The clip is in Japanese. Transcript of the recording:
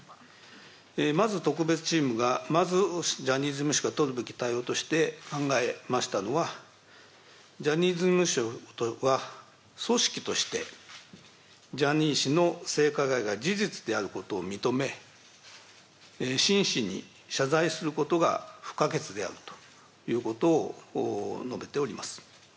まず特別チームが、まずジャニーズ事務所が取るべき対応として考えましたのは、ジャニーズ事務所は組織としてジャニー氏の性加害が事実であることを認め、真摯に謝罪することが不可欠であるということを述べております。